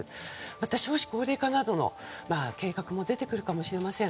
また、少子高齢化などの計画が出てくるかもしれません。